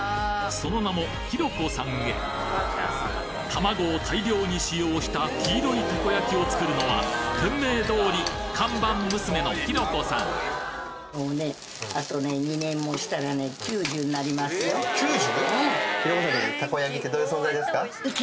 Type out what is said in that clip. その名も卵を大量に使用した黄色いたこ焼きを作るのは店名通り看板娘の寛子さん９０！？